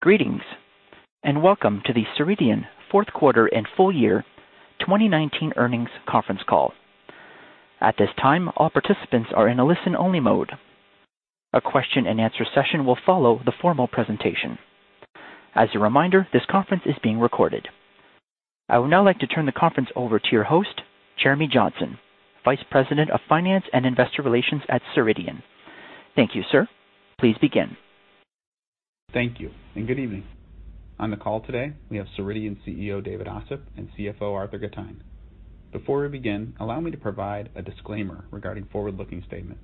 Greetings, welcome to the Ceridian fourth quarter and full year 2019 earnings conference call. At this time, all participants are in a listen-only mode. A question and answer session will follow the formal presentation. As a reminder, this conference is being recorded. I would now like to turn the conference over to your host, Jeremy Johnson, Vice President of Finance and Investor Relations at Ceridian. Thank you, sir. Please begin. Thank you and good evening. On the call today, we have Ceridian CEO, David Ossip, and CFO, Arthur Gitajn. Before we begin, allow me to provide a disclaimer regarding forward-looking statements.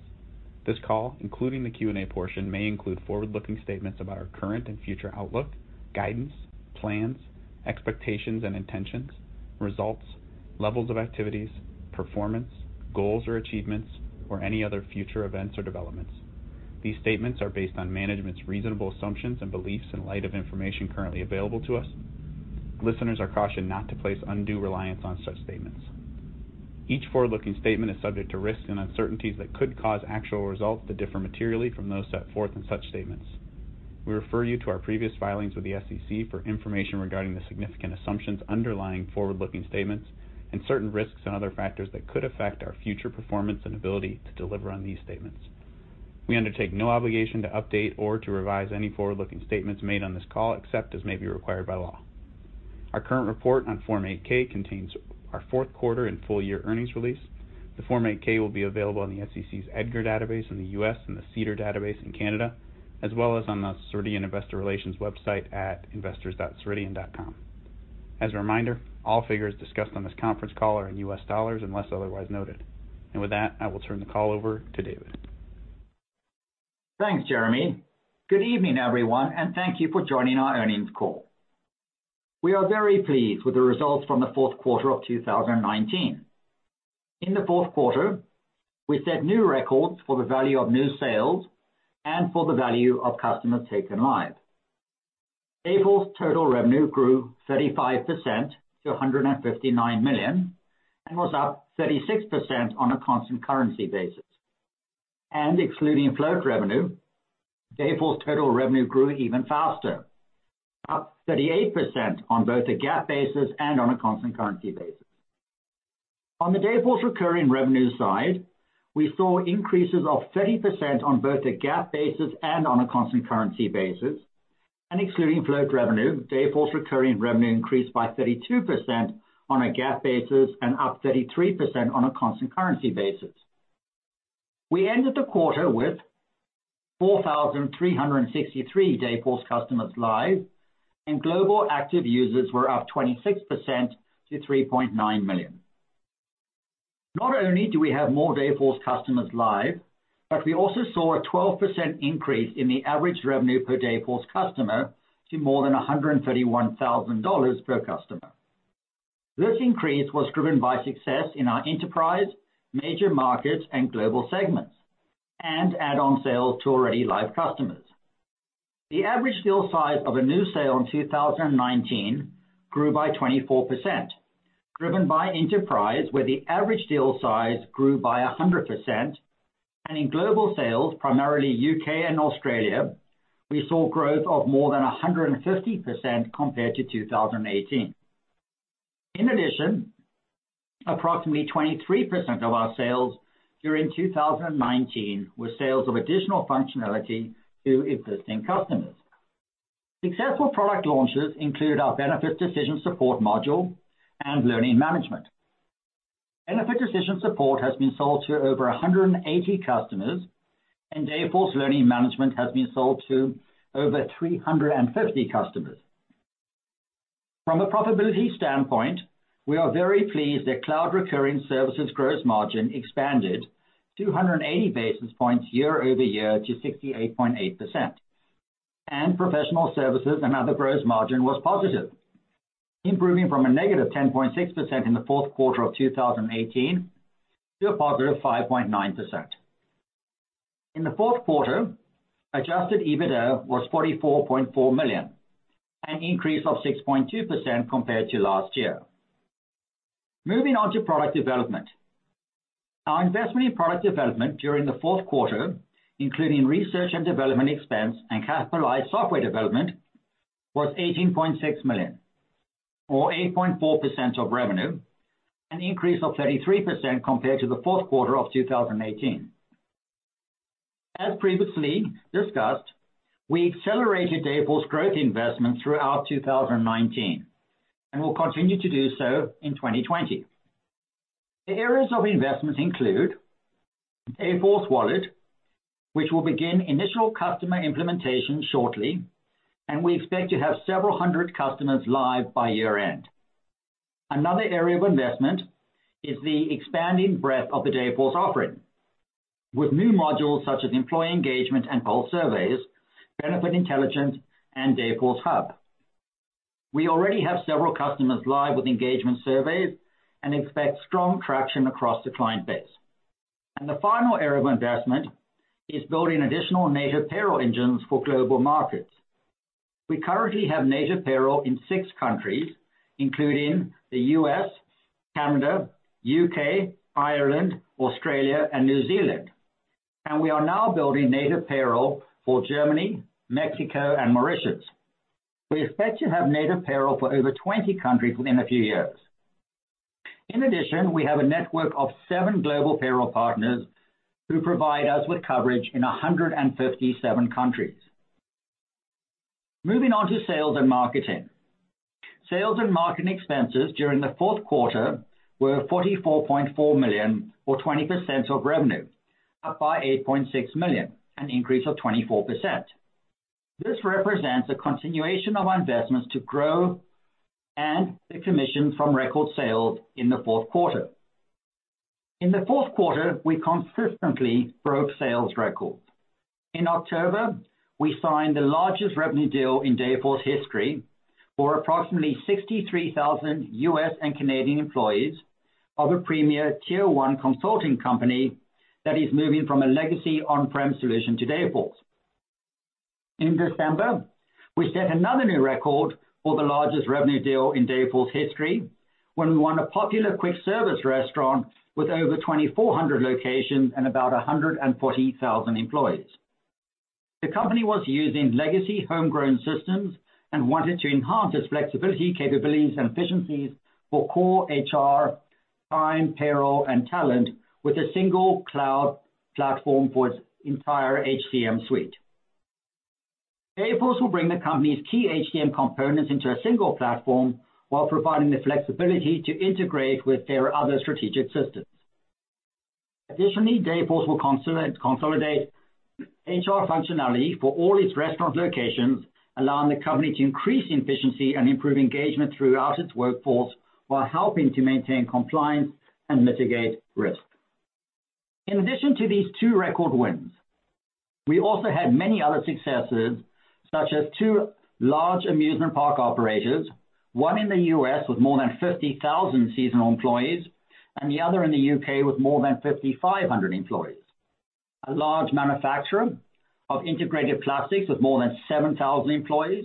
This call, including the Q&A portion, may include forward-looking statements about our current and future outlook, guidance, plans, expectations and intentions, results, levels of activities, performance, goals or achievements, or any other future events or developments. These statements are based on management's reasonable assumptions and beliefs in light of information currently available to us. Listeners are cautioned not to place undue reliance on such statements. Each forward-looking statement is subject to risks and uncertainties that could cause actual results to differ materially from those set forth in such statements. We refer you to our previous filings with the SEC for information regarding the significant assumptions underlying forward-looking statements and certain risks and other factors that could affect our future performance and ability to deliver on these statements. We undertake no obligation to update or to revise any forward-looking statements made on this call, except as may be required by law. Our current report on Form 8-K contains our fourth quarter and full year earnings release. The Form 8-K will be available on the SEC's EDGAR database in the U.S. and the SEDAR database in Canada, as well as on the Ceridian Investor Relations website at investors.ceridian.com. As a reminder, all figures discussed on this conference call are in US dollars unless otherwise noted. With that, I will turn the call over to David. Thanks, Jeremy. Good evening, everyone, and thank you for joining our earnings call. We are very pleased with the results from the fourth quarter of 2019. In the fourth quarter, we set new records for the value of new sales and for the value of customers taken live. Dayforce total revenue grew 35% to $159 million and was up 36% on a constant currency basis. Excluding float revenue, Dayforce total revenue grew even faster, up 38% on both a GAAP basis and on a constant currency basis. On the Dayforce recurring revenue side, we saw increases of 30% on both a GAAP basis and on a constant currency basis, and excluding float revenue, Dayforce recurring revenue increased by 32% on a GAAP basis and up 33% on a constant currency basis. We ended the quarter with 4,363 Dayforce customers live, and global active users were up 26% to 3.9 million. Not only do we have more Dayforce customers live, we also saw a 12% increase in the average revenue per Dayforce customer to more than $131,000 per customer. This increase was driven by success in our enterprise, major markets, and global segments, and add-on sales to already live customers. The average deal size of a new sale in 2019 grew by 24%, driven by enterprise, where the average deal size grew by 100%, and in global sales, primarily U.K. and Australia, we saw growth of more than 150% compared to 2018. In addition, approximately 23% of our sales during 2019 were sales of additional functionality to existing customers. Successful product launches include our Benefit Decision Support module and Learning Management. Benefit Decision Support has been sold to over 180 customers, and Dayforce Learning Management has been sold to over 350 customers. From a profitability standpoint, we are very pleased that cloud recurring services gross margin expanded 280 basis points year-over-year to 68.8%. Professional services and other gross margin was positive, improving from a negative 10.6% in the fourth quarter of 2018 to a positive 5.9%. In the fourth quarter, adjusted EBITDA was $44.4 million, an increase of 6.2% compared to last year. Moving on to product development. Our investment in product development during the fourth quarter, including research and development expense and capitalized software development, was $18.6 million or 8.4% of revenue, an increase of 33% compared to the fourth quarter of 2018. As previously discussed, we accelerated Dayforce growth investment throughout 2019, and will continue to do so in 2020. The areas of investment include Dayforce Wallet, which will begin initial customer implementation shortly, and we expect to have several hundred customers live by year-end. Another area of investment is the expanding breadth of the Dayforce offering, with new modules such as employee engagement and pulse surveys, Benefit Intelligence, and Dayforce Hub. We already have several customers live with engagement surveys and expect strong traction across the client base. The final area of investment is building additional native payroll engines for global markets. We currently have native payroll in six countries, including the U.S., Canada, U.K., Ireland, Australia, and New Zealand. We are now building native payroll for Germany, Mexico, and Mauritius. We expect to have native payroll for over 20 countries within a few years. In addition, we have a network of seven global payroll partners who provide us with coverage in 157 countries. Moving on to sales and marketing. Sales and marketing expenses during the fourth quarter were $44.4 million or 20% of revenue, up by $8.6 million, an increase of 24%. This represents a continuation of investments to grow and the commission from record sales in the fourth quarter. In the fourth quarter, we consistently broke sales records. In October, we signed the largest revenue deal in Dayforce history for approximately 63,000 U.S. and Canadian employees of a premier tier 1 consulting company that is moving from a legacy on-prem solution to Dayforce. In December, we set another new record for the largest revenue deal in Dayforce history when we won a popular quick service restaurant with over 2,400 locations and about 140,000 employees. The company was using legacy homegrown systems and wanted to enhance its flexibility capabilities and efficiencies for core HR, time, payroll, and talent with a single cloud platform for its entire HCM suite. Dayforce will bring the company's key HCM components into a single platform while providing the flexibility to integrate with their other strategic systems. Additionally, Dayforce will consolidate HR functionality for all its restaurant locations, allowing the company to increase efficiency and improve engagement throughout its workforce, while helping to maintain compliance and mitigate risk. In addition to these two record wins, we also had many other successes, such as two large amusement park operators, one in the U.S. with more than 50,000 seasonal employees, and the other in the U.K. with more than 5,500 employees. A large manufacturer of integrated plastics with more than 7,000 employees,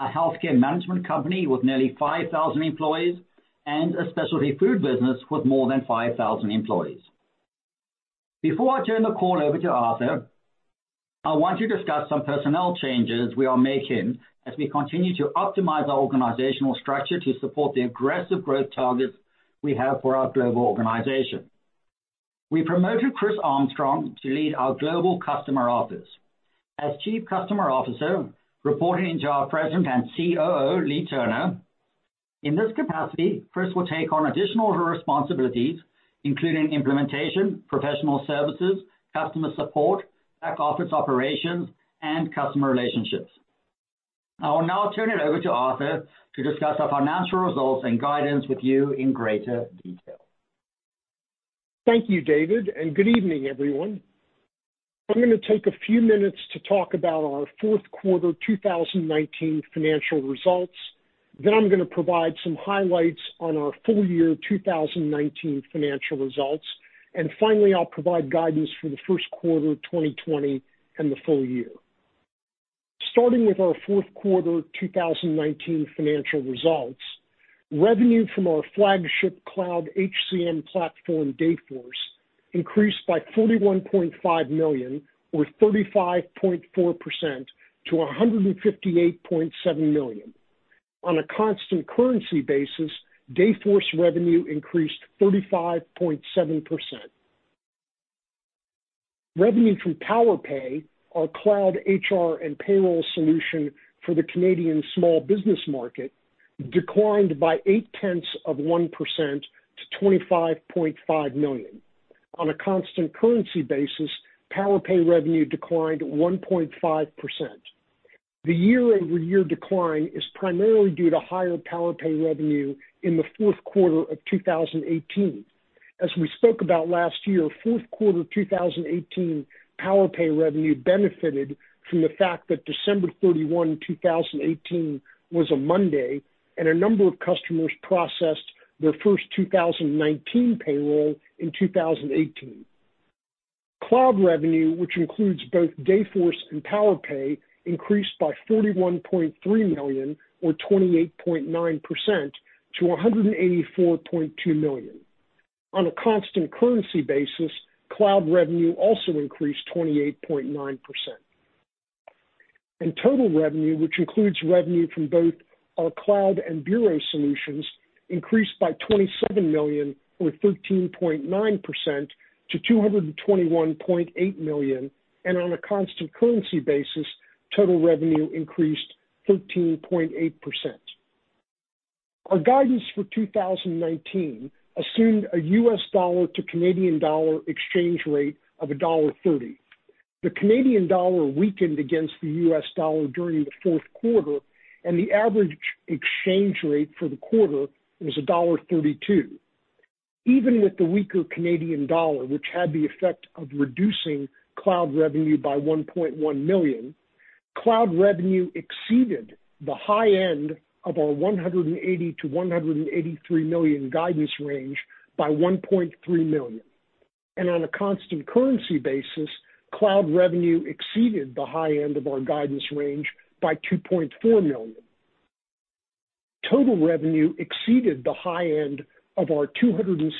a healthcare management company with nearly 5,000 employees, and a specialty food business with more than 5,000 employees. Before I turn the call over to Arthur, I want to discuss some personnel changes we are making as we continue to optimize our organizational structure to support the aggressive growth targets we have for our global organization. We promoted Chris Armstrong to lead our global customer office. As Chief Customer Officer, reporting into our President and COO, Leagh Turner. In this capacity, Chris will take on additional responsibilities, including implementation, professional services, customer support, back office operations, and customer relationships. I will now turn it over to Arthur to discuss our financial results and guidance with you in greater detail. Thank you, David, and good evening, everyone. I'm going to take a few minutes to talk about our fourth quarter 2019 financial results. I'm going to provide some highlights on our full year 2019 financial results. Finally, I'll provide guidance for the first quarter 2020 and the full year. Starting with our fourth quarter 2019 financial results, revenue from our flagship cloud HCM platform, Dayforce, increased by $41.5 million or 35.4% to $158.7 million. On a constant currency basis, Dayforce revenue increased 35.7%. Revenue from Powerpay, our cloud HR and payroll solution for the Canadian small business market, declined by 0.8% to $25.5 million. On a constant currency basis, Powerpay revenue declined 1.5%. The year-over-year decline is primarily due to higher Powerpay revenue in the fourth quarter of 2018. As we spoke about last year, fourth quarter 2018 Powerpay revenue benefited from the fact that December 31, 2018, was a Monday, and a number of customers processed their first 2019 payroll in 2018. Cloud revenue, which includes both Dayforce and Powerpay, increased by $41.3 million or 28.9% to $184.2 million. On a constant currency basis, cloud revenue also increased 28.9%. Total revenue, which includes revenue from both our cloud and bureau solutions, increased by $27 million or 13.9% to $221.8 million. On a constant currency basis, total revenue increased 13.8%. Our guidance for 2019 assumed a U.S. dollar to Canadian dollar exchange rate of dollar 1.30. The Canadian dollar weakened against the U.S. dollar during the fourth quarter, and the average exchange rate for the quarter was dollar 1.32. Even with the weaker Canadian dollar, which had the effect of reducing cloud revenue by $1.1 million, cloud revenue exceeded the high end of our $180 million-$183 million guidance range by $1.3 million. On a constant currency basis, cloud revenue exceeded the high end of our guidance range by $2.4 million. Total revenue exceeded the high end of our $216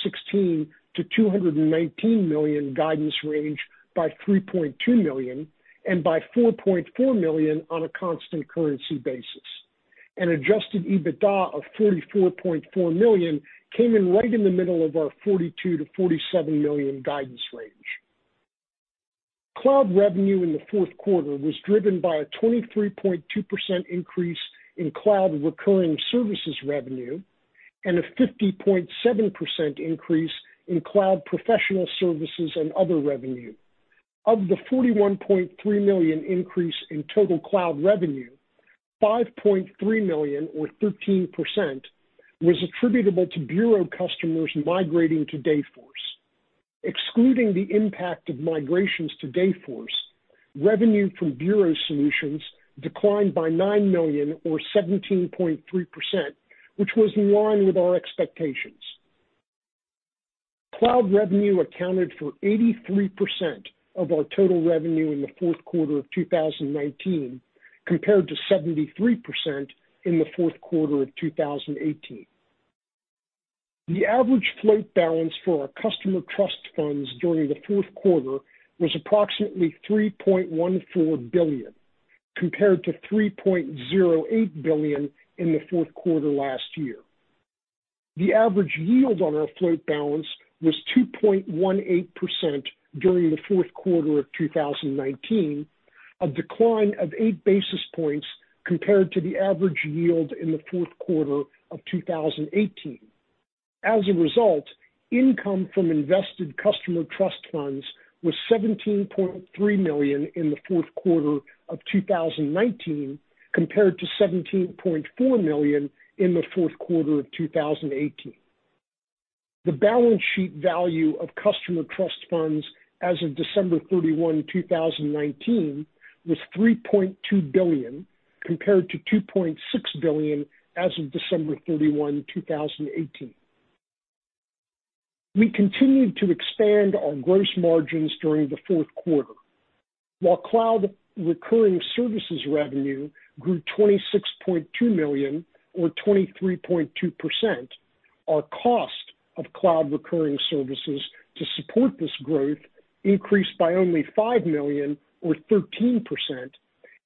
million-$219 million guidance range by $3.2 million, and by $4.4 million on a constant currency basis. Adjusted EBITDA of $44.4 million came in right in the middle of our $42 million-$47 million guidance range. Cloud revenue in the fourth quarter was driven by a 23.2% increase in cloud recurring services revenue, and a 50.7% increase in cloud professional services and other revenue. Of the $41.3 million increase in total cloud revenue, $5.3 million or 13% was attributable to bureau customers migrating to Dayforce. Excluding the impact of migrations to Dayforce, revenue from bureau solutions declined by $9 million or 17.3%, which was in line with our expectations. Cloud revenue accounted for 83% of our total revenue in the fourth quarter of 2019, compared to 73% in the fourth quarter of 2018. The average float balance for our customer trust funds during the fourth quarter was approximately $3.14 billion, compared to $3.08 billion in the fourth quarter last year. The average yield on our float balance was 2.18% during the fourth quarter of 2019, a decline of eight basis points compared to the average yield in the fourth quarter of 2018. As a result, income from invested customer trust funds was $17.3 million in the fourth quarter of 2019, compared to $17.4 million in the fourth quarter of 2018. The balance sheet value of customer trust funds as of December 31, 2019, was $3.2 billion, compared to $2.6 billion as of December 31, 2018. We continued to expand our gross margins during the fourth quarter. While cloud recurring services revenue grew $26.2 million or 23.2%, our cost of cloud recurring services to support this growth increased by only $5 million or 13%,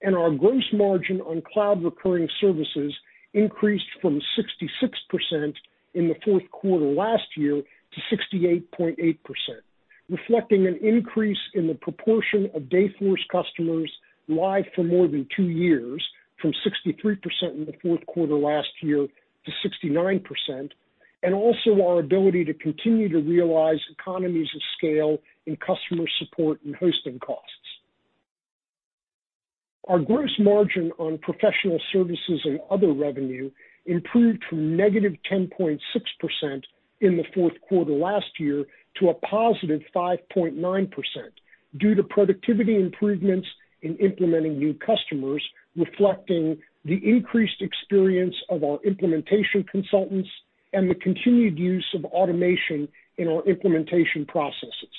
and our gross margin on cloud recurring services increased from 66% in the fourth quarter last year to 68.8%, reflecting an increase in the proportion of Dayforce customers live for more than two years, from 63% in the fourth quarter last year to 69%, and also our ability to continue to realize economies of scale in customer support and hosting costs. Our gross margin on professional services and other revenue improved from -10.6% in the fourth quarter last year to a 5.9%, due to productivity improvements in implementing new customers, reflecting the increased experience of our implementation consultants and the continued use of automation in our implementation processes.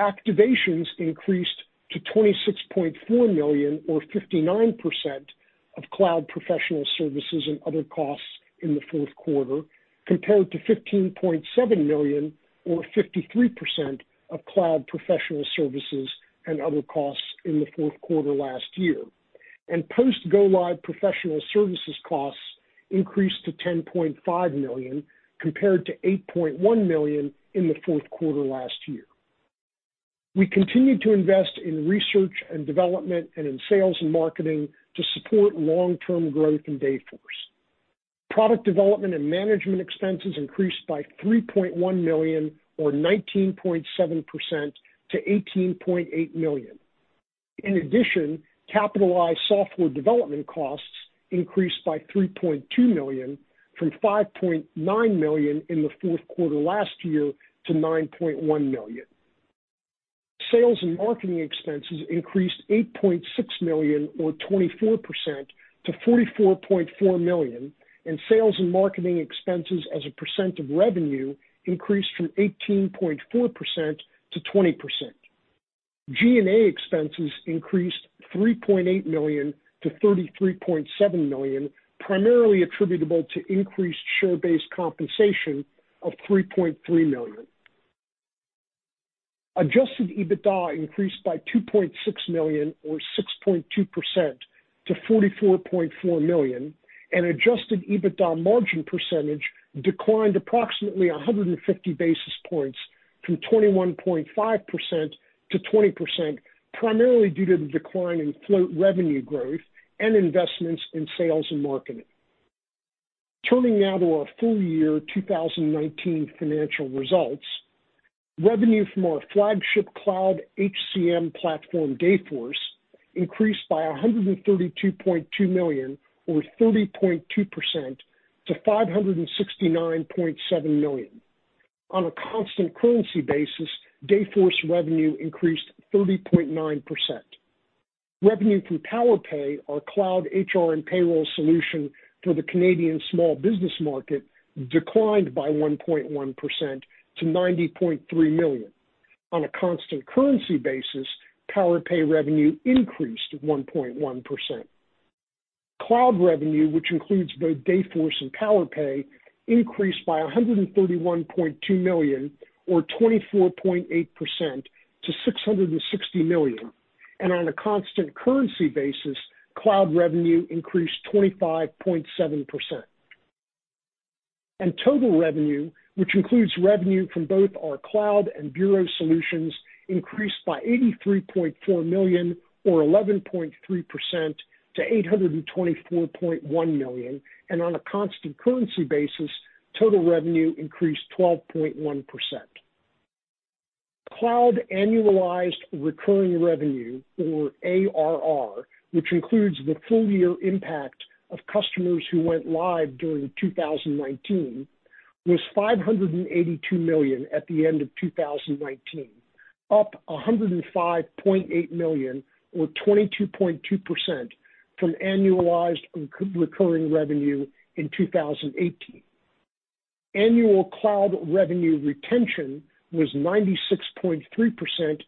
Activations increased to $26.4 million or 59% of cloud professional services and other costs in the fourth quarter, compared to $15.7 million or 53% of cloud professional services and other costs in the fourth quarter last year. Post go live professional services costs increased to $10.5 million, compared to $8.1 million in the fourth quarter last year. We continued to invest in research and development and in sales and marketing to support long-term growth in Dayforce. Product development and management expenses increased by $3.1 million or 19.7% to $18.8 million. In addition, capitalized software development costs increased by $3.2 million from $5.9 million in the fourth quarter last year to $9.1 million. Sales and marketing expenses increased $8.6 million or 24% to $44.4 million, and sales and marketing expenses as a percent of revenue increased from 18.4% to 20%. G&A expenses increased $3.8 million to $33.7 million, primarily attributable to increased share-based compensation of $3.3 million. Adjusted EBITDA increased by $2.6 million or 6.2% to $44.4 million, and adjusted EBITDA margin percentage declined approximately 150 basis points from 21.5% to 20%, primarily due to the decline in float revenue growth and investments in sales and marketing. Turning now to our full year 2019 financial results. Revenue from our flagship cloud HCM platform, Dayforce, increased by $132.2 million or 30.2% to $569.7 million. On a constant currency basis, Dayforce revenue increased 30.9%. Revenue from Powerpay, our cloud HR and payroll solution for the Canadian small business market, declined by 1.1% to 90.3 million. On a constant currency basis, Powerpay revenue increased 1.1%. Cloud revenue, which includes both Dayforce and Powerpay, increased by 131.2 million or 24.8% to 660 million. On a constant currency basis, cloud revenue increased 25.7%. Total revenue, which includes revenue from both our cloud and bureau solutions, increased by 83.4 million or 11.3% to $824.1 million. On a constant currency basis, total revenue increased 12.1%. Cloud annualized recurring revenue or ARR, which includes the full year impact of customers who went live during 2019, was 582 million at the end of 2019, up 105.8 million or 22.2% from annualized recurring revenue in 2018. Annual cloud revenue retention was 96.3%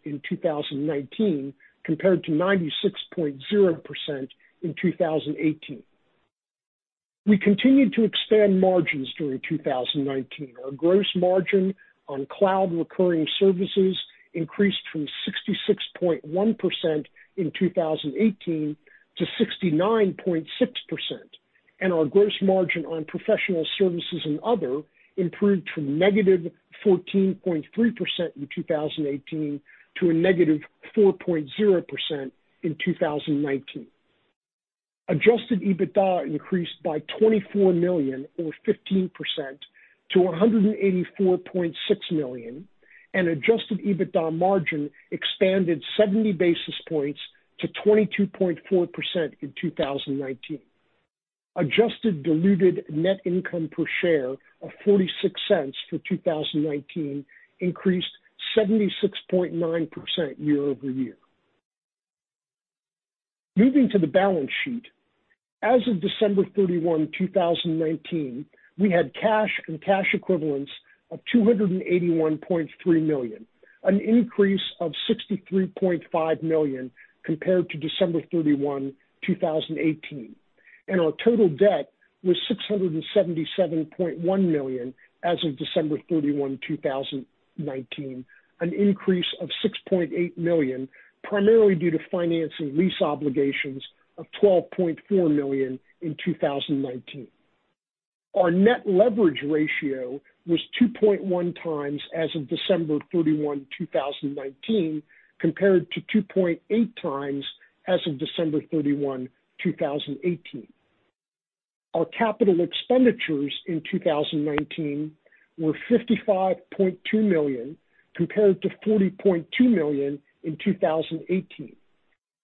in 2019, compared to 96.0% in 2018. We continued to expand margins during 2019. Our gross margin on cloud recurring services increased from 66.1% in 2018 to 69.6%. Our gross margin on professional services and other improved from negative 14.3% in 2018 to a negative 4.0% in 2019. Adjusted EBITDA increased by 24 million or 15% to $184.6 million. Adjusted EBITDA margin expanded 70 basis points to 22.4% in 2019. Adjusted diluted net income per share of $0.46 for 2019 increased 76.9% year-over-year. Moving to the balance sheet. As of December 31, 2019, we had cash and cash equivalents of $281.3 million, an increase of $63.5 million compared to December 31, 2018. Our total debt was $677.1 million as of December 31, 2019, an increase of $6.8 million, primarily due to financing lease obligations of $12.4 million in 2019. Our net leverage ratio was 2.1x as of December 31, 2019, compared to 2.8x as of December 31, 2018. Our capital expenditures in 2019 were $55.2 million, compared to $40.2 million in 2018.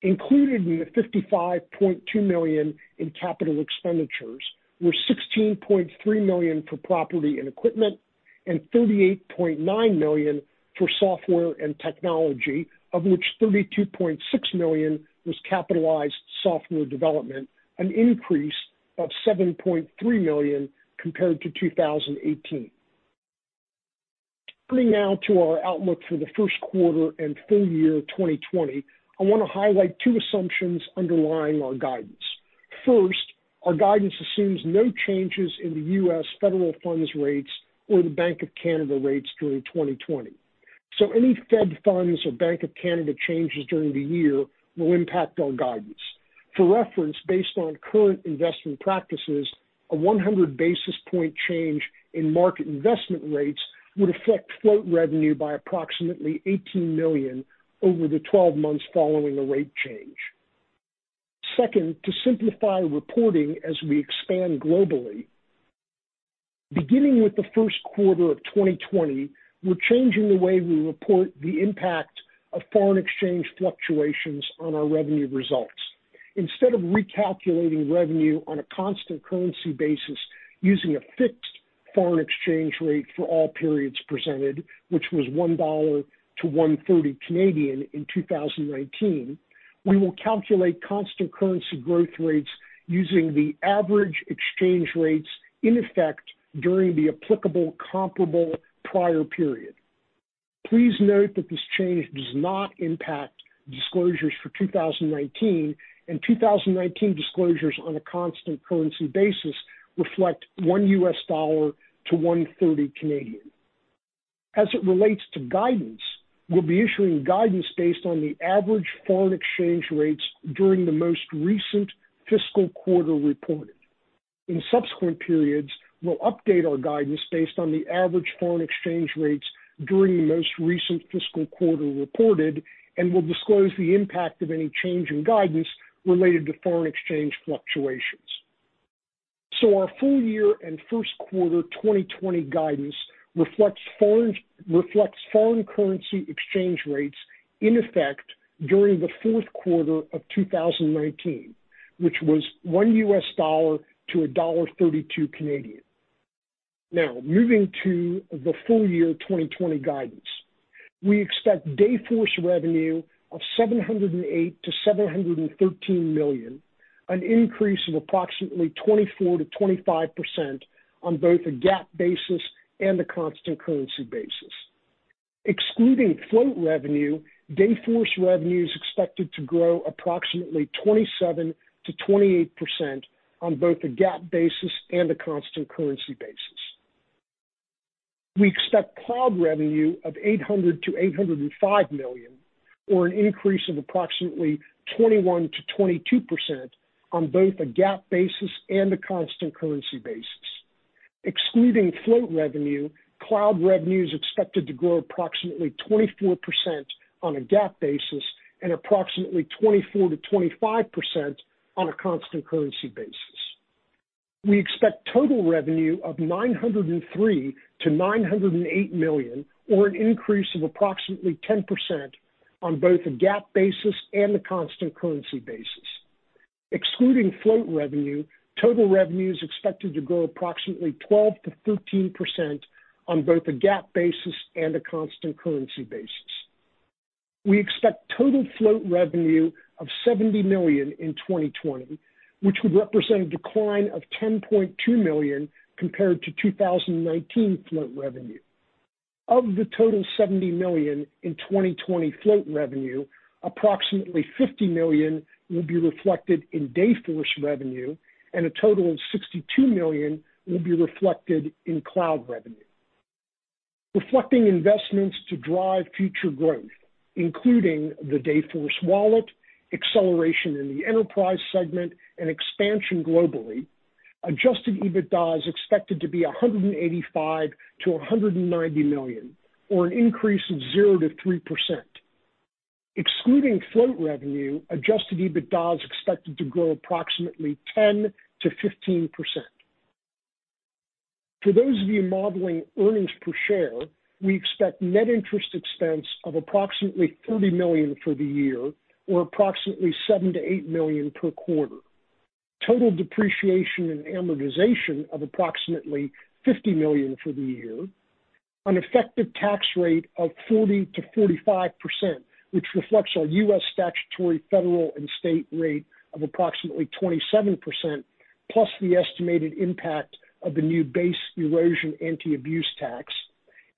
Included in the $55.2 million in capital expenditures were $16.3 million for property and equipment and $38.9 million for software and technology, of which $32.6 million was capitalized software development, an increase of $7.3 million compared to 2018. Turning now to our outlook for the first quarter and full year 2020, I want to highlight two assumptions underlying our guidance. Our guidance assumes no changes in the U.S. federal funds rates or the Bank of Canada rates during 2020. Any Fed funds or Bank of Canada changes during the year will impact our guidance. For reference, based on current investment practices, a 100-basis-point change in market investment rates would affect float revenue by approximately $18 million over the 12 months following a rate change. Second, to simplify reporting as we expand globally, beginning with the first quarter of 2020, we're changing the way we report the impact of foreign exchange fluctuations on our revenue results. Instead of recalculating revenue on a constant currency basis using a fixed foreign exchange rate for all periods presented, which was $1 to 1.30 in 2019, we will calculate constant currency growth rates using the average exchange rates in effect during the applicable comparable prior period. Please note that this change does not impact disclosures for 2019, and 2019 disclosures on a constant currency basis reflect one US dollar to 1.30. As it relates to guidance, we'll be issuing guidance based on the average foreign exchange rates during the most recent fiscal quarter reported. In subsequent periods, we'll update our guidance based on the average foreign exchange rates during the most recent fiscal quarter reported, and we'll disclose the impact of any change in guidance related to foreign exchange fluctuations. Our full year and first quarter 2020 guidance reflects foreign currency exchange rates in effect during the fourth quarter of 2019, which was one US dollar to dollar 1.32. Moving to the full year 2020 guidance. We expect Dayforce revenue of $708 million-$713 million. An increase of approximately 24%-25% on both a GAAP basis and a constant currency basis. Excluding float revenue, Dayforce revenue is expected to grow approximately 27%-28% on both a GAAP basis and a constant currency basis. We expect cloud revenue of $800 million-$805 million, or an increase of approximately 21%-22% on both a GAAP basis and a constant currency basis. Excluding float revenue, cloud revenue is expected to grow approximately 24% on a GAAP basis and approximately 24%-25% on a constant currency basis. We expect total revenue of $903 million-$908 million, or an increase of approximately 10% on both a GAAP basis and a constant currency basis. Excluding float revenue, total revenue is expected to grow approximately 12%-13% on both a GAAP basis and a constant currency basis. We expect total float revenue of $70 million in 2020, which would represent a decline of $10.2 million compared to 2019 float revenue. Of the total $70 million in 2020 float revenue, approximately $50 million will be reflected in Dayforce revenue and a total of $62 million will be reflected in cloud revenue. Reflecting investments to drive future growth, including the Dayforce Wallet, acceleration in the enterprise segment, and expansion globally, adjusted EBITDA is expected to be $185 million-$190 million, or an increase of 0%-3%. Excluding float revenue, adjusted EBITDA is expected to grow approximately 10%-15%. For those of you modeling earnings per share, we expect net interest expense of approximately $30 million for the year, or approximately $7 million-$8 million per quarter. Total depreciation and amortization of approximately $50 million for the year. An effective tax rate of 40%-45%, which reflects our U.S. statutory federal and state rate of approximately 27%, plus the estimated impact of the new Base Erosion and Anti-Abuse Tax,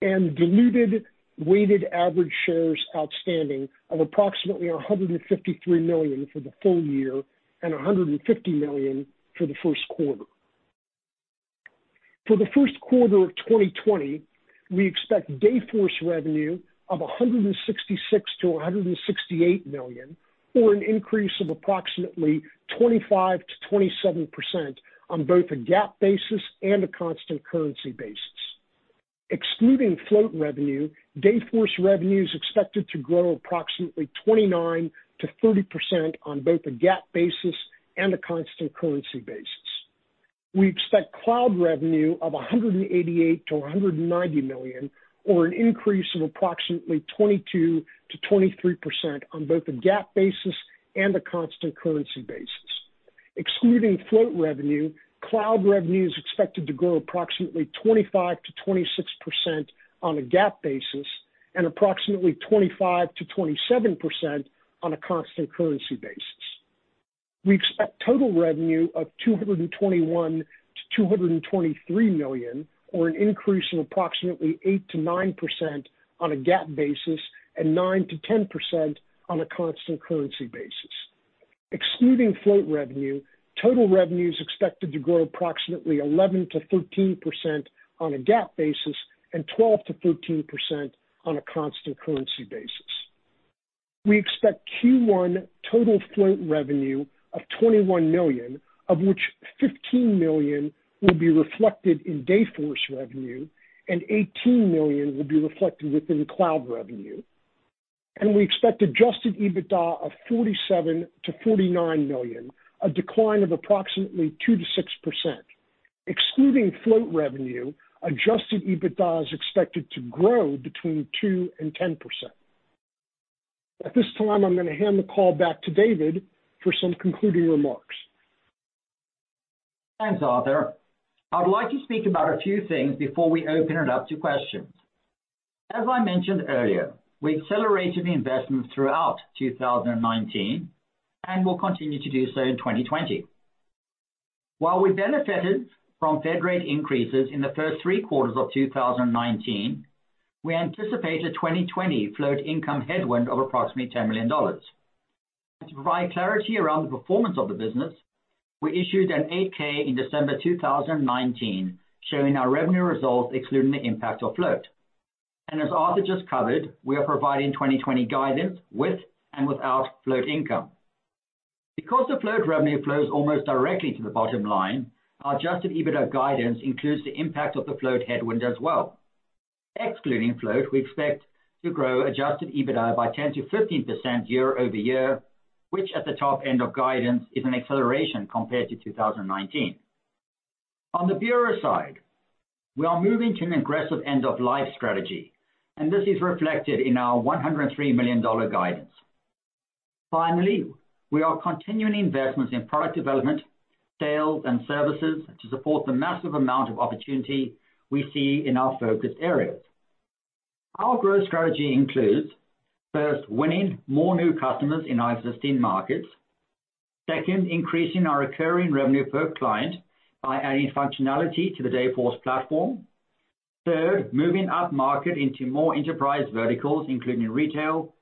and diluted weighted average shares outstanding of approximately 153 million for the full year and 150 million for the first quarter. For the first quarter of 2020, we expect Dayforce revenue of $166 million-$168 million, or an increase of approximately 25%-27% on both a GAAP basis and a constant currency basis. Excluding float revenue, Dayforce revenue is expected to grow approximately 29%-30% on both a GAAP basis and a constant currency basis. We expect cloud revenue of $188 million-$190 million, or an increase of approximately 22%-23% on both a GAAP basis and a constant currency basis. Excluding float revenue, cloud revenue is expected to grow approximately 25%-26% on a GAAP basis and approximately 25%-27% on a constant currency basis. We expect total revenue of $221 million-$223 million, or an increase of approximately 8%-9% on a GAAP basis and 9%-10% on a constant currency basis. Excluding float revenue, total revenue is expected to grow approximately 11%-13% on a GAAP basis and 12%-13% on a constant currency basis. We expect Q1 total float revenue of $21 million, of which $15 million will be reflected in Dayforce revenue and $18 million will be reflected within cloud revenue. We expect adjusted EBITDA of $47 million-$49 million, a decline of approximately 2%-6%. Excluding float revenue, adjusted EBITDA is expected to grow between 2% and 10%. At this time, I'm going to hand the call back to David for some concluding remarks. Thanks, Arthur. I would like to speak about a few things before we open it up to questions. As I mentioned earlier, we accelerated the investments throughout 2019 and will continue to do so in 2020. While we benefited from Fed rate increases in the first three quarters of 2019, we anticipate a 2020 float income headwind of approximately $10 million. To provide clarity around the performance of the business, we issued an 8-K in December 2019 showing our revenue results excluding the impact of float. As Arthur just covered, we are providing 2020 guidance with and without float income. Because the float revenue flows almost directly to the bottom line, our adjusted EBITDA guidance includes the impact of the float headwind as well. Excluding float, we expect to grow adjusted EBITDA by 10%-15% year-over-year, which at the top end of guidance, is an acceleration compared to 2019. On the bureau side, we are moving to an aggressive end-of-life strategy, and this is reflected in our $103 million guidance. Finally, we are continuing investments in product development, sales, and services to support the massive amount of opportunity we see in our focus areas. Our growth strategy includes, first, winning more new customers in our existing markets. Second, increasing our recurring revenue per client by adding functionality to the Dayforce platform. Third, moving upmarket into more enterprise verticals, including retail,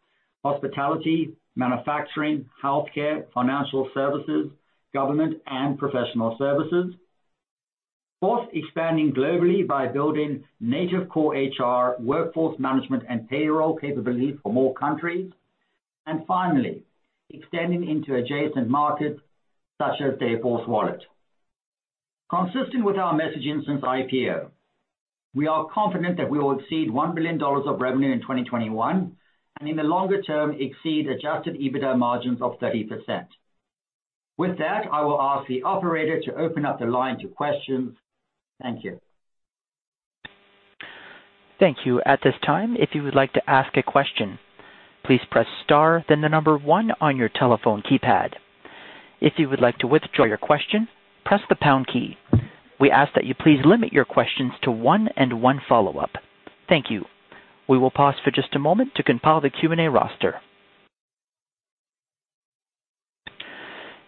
hospitality, manufacturing, healthcare, financial services, government, and professional services. Fourth, expanding globally by building native core HR, workforce management, and payroll capabilities for more countries. Finally, extending into adjacent markets such as Dayforce Wallet. Consistent with our messaging since IPO, we are confident that we will exceed $1 billion of revenue in 2021, and in the longer term, exceed adjusted EBITDA margins of 30%. With that, I will ask the operator to open up the line to questions. Thank you. Thank you. At this time, if you would like to ask a question, please press star then the number one on your telephone keypad. If you would like to withdraw your question, press the pound key. We ask that you please limit your questions to one and one follow-up. Thank you. We will pause for just a moment to compile the Q&A roster.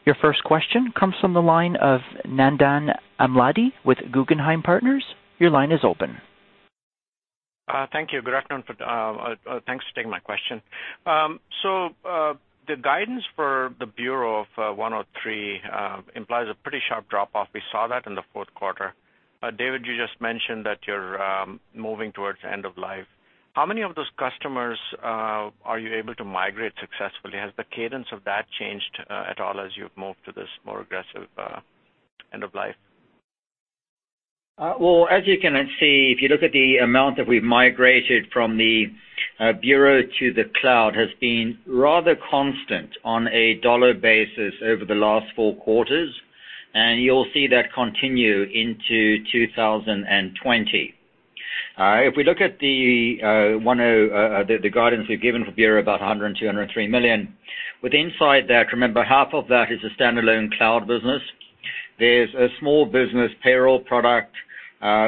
Your first question comes from the line of Nandan Amladi with Guggenheim Partners. Your line is open. Thank you. Good afternoon. Thanks for taking my question. The guidance for Powerpay implies a pretty sharp drop-off. We saw that in the fourth quarter. David, you just mentioned that you're moving towards end of life. How many of those customers are you able to migrate successfully? Has the cadence of that changed at all as you've moved to this more aggressive end of life? Well, as you can see, if you look at the amount that we've migrated from the bureau to the cloud has been rather constant on a dollar basis over the last four quarters, and you'll see that continue into 2020. We look at the guidance we've given for bureau, about $100 million and $203 million. With inside that, remember, half of that is a standalone cloud business. There's a small business payroll product,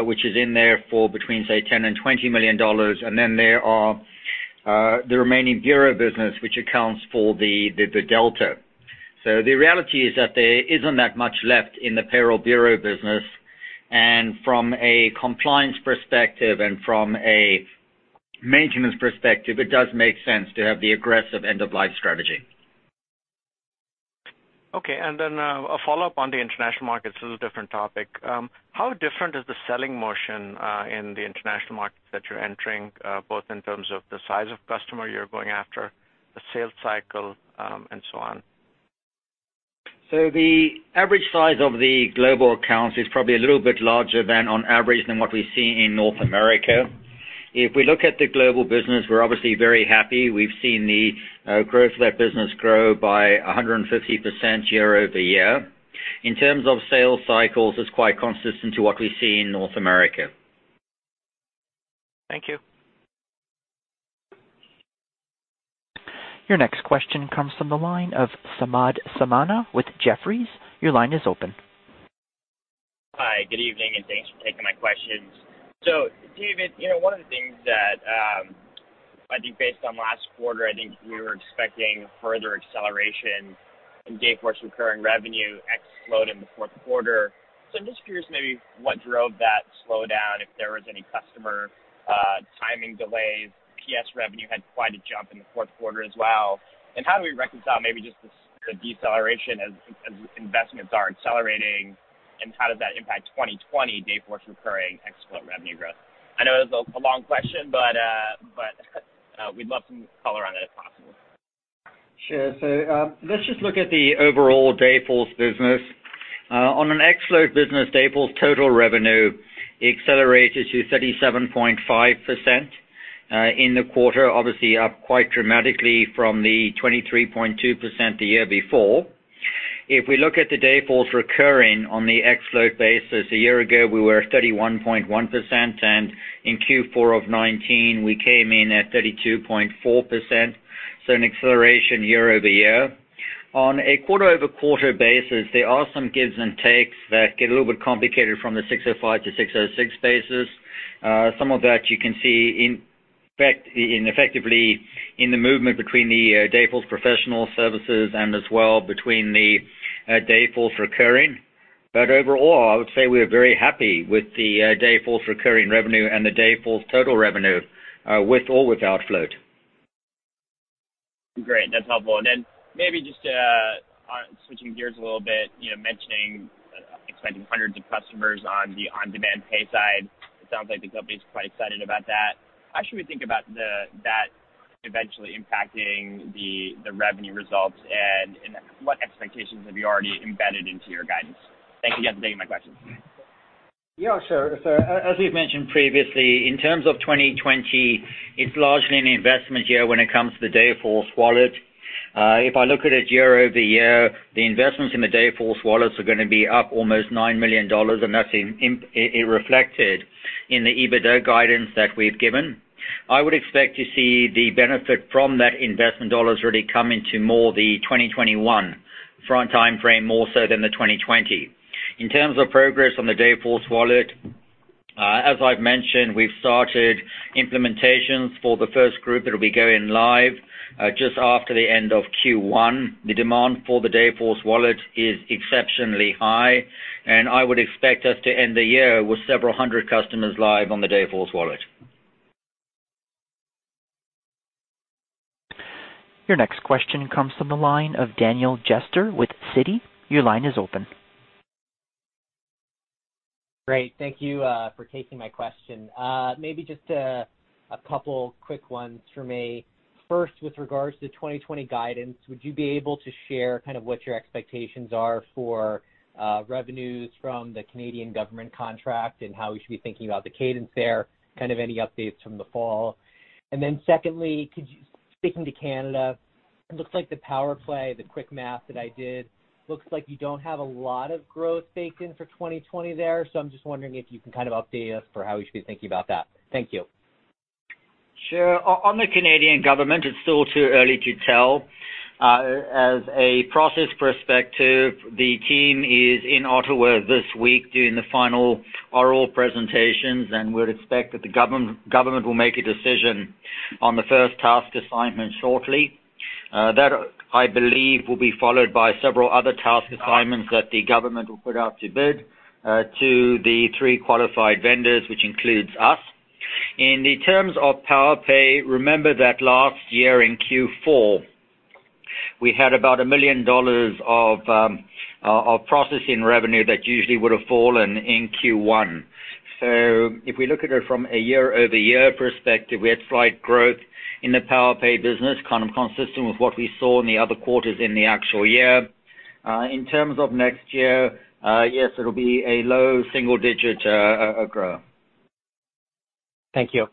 which is in there for between, say, $10 million and $20 million. Then there are the remaining bureau business, which accounts for the delta. The reality is that there isn't that much left in the payroll bureau business. From a compliance perspective and from a maintenance perspective, it does make sense to have the aggressive end-of-life strategy. Okay. A follow-up on the international markets. This is a different topic. How different is the selling motion in the international markets that you're entering, both in terms of the size of customer you're going after, the sales cycle, and so on? The average size of the global accounts is probably a little bit larger than on average than what we see in North America. If we look at the global business, we're obviously very happy. We've seen the growth of that business grow by 150% year-over-year. In terms of sales cycles, it's quite consistent to what we see in North America. Thank you. Your next question comes from the line of Samad Samana with Jefferies. Your line is open. Hi, good evening, thanks for taking my questions. David, one of the things that, I think based on last quarter, I think we were expecting further acceleration in Dayforce recurring revenue ex-float in the fourth quarter. I'm just curious maybe what drove that slowdown, if there was any customer timing delays. PS revenue had quite a jump in the fourth quarter as well. How do we reconcile maybe just the deceleration as investments are accelerating, and how does that impact 2020 Dayforce recurring ex-float revenue growth? I know it's a long question, but we'd love some color on it if possible. Sure. Let's just look at the overall Dayforce business. On an ex-float business, Dayforce total revenue accelerated to 37.5% in the quarter, obviously up quite dramatically from the 23.2% the year before. If we look at the Dayforce recurring on the ex-float basis, a year ago, we were 31.1%, and in Q4 of 2019, we came in at 32.4%, so an acceleration year-over-year. On a quarter-over-quarter basis, there are some gives and takes that get a little bit complicated from the 605 basis points to 606 basis points. Some of that you can see effectively in the movement between the Dayforce professional services and as well between the Dayforce recurring. Overall, I would say we are very happy with the Dayforce recurring revenue and the Dayforce total revenue, with or without float. Great. That's helpful. Then maybe just switching gears a little bit, mentioning expecting hundreds of customers on the on-demand pay side. It sounds like the company is quite excited about that. How should we think about that eventually impacting the revenue results, and what expectations have you already embedded into your guidance? Thank you again for taking my questions. Yeah, sure. As we've mentioned previously, in terms of 2020, it's largely an investment year when it comes to the Dayforce Wallet. If I look at it year-over-year, the investments in the Dayforce Wallets are going to be up almost $9 million, and that's reflected in the EBITDA guidance that we've given. I would expect to see the benefit from that investment dollars really come into more the 2021 time frame more so than the 2020. In terms of progress on the Dayforce Wallet, as I've mentioned, we've started implementations for the first group that'll be going live just after the end of Q1. The demand for the Dayforce Wallet is exceptionally high, and I would expect us to end the year with several hundred customers live on the Dayforce Wallet. Your next question comes from the line of Daniel Jester with Citigroup. Your line is open. Great. Thank you for taking my question. Maybe just a couple quick ones from me. First, with regards to 2020 guidance, would you be able to share kind of what your expectations are for revenues from the Canadian government contract and how we should be thinking about the cadence there, kind of any updates from the fall? Secondly, sticking to Canada, it looks like the Powerpay, the quick math that I did, looks like you don't have a lot of growth baked in for 2020 there. I'm just wondering if you can kind of update us for how we should be thinking about that. Thank you. Sure. On the Canadian government, it's still too early to tell. As a process perspective, the team is in Ottawa this week doing the final oral presentations, and we'd expect that the government will make a decision on the first task assignment shortly. That, I believe, will be followed by several other task assignments that the government will put out to bid to the three qualified vendors, which includes us. In the terms of Powerpay, remember that last year in Q4, we had about $1 million of processing revenue that usually would have fallen in Q1. If we look at it from a year-over-year perspective, we had slight growth in the Powerpay business, kind of consistent with what we saw in the other quarters in the actual year. In terms of next year, yes, it'll be a low single-digit growth. Thank you.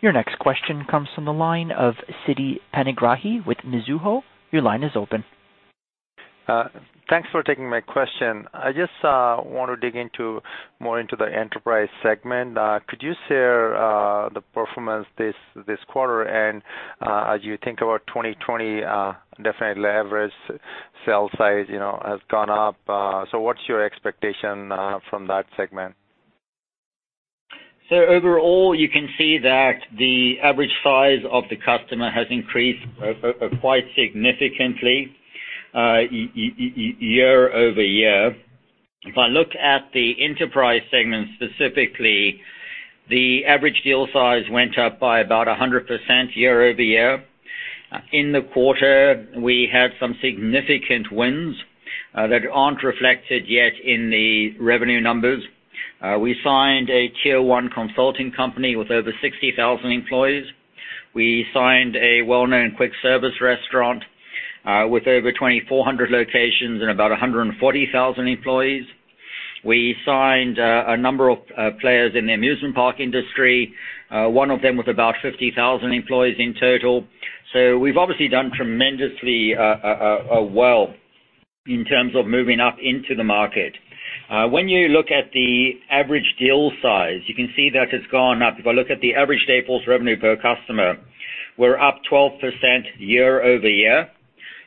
Your next question comes from the line of Siti Panigrahi with Mizuho. Your line is open. Thanks for taking my question. I just want to dig more into the enterprise segment. Could you share the performance this quarter and as you think about 2020, definitely average sale size has gone up. What's your expectation from that segment? Overall, you can see that the average size of the customer has increased quite significantly year-over-year. If I look at the enterprise segment specifically, the average deal size went up by about 100% year-over-year. In the quarter, we had some significant wins that aren't reflected yet in the revenue numbers. We signed a tier 1 consulting company with over 60,000 employees. We signed a well-known quick service restaurant with over 2,400 locations and about 140,000 employees. We signed a number of players in the amusement park industry, one of them with about 50,000 employees in total. We've obviously done tremendously well in terms of moving up into the market. When you look at the average deal size, you can see that it's gone up. If I look at the average Dayforce revenue per customer, we're up 12% year-over-year.